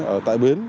ở tại bến